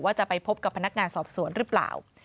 จะไปพบกับพนักงานสอบสวนหรือเปล่า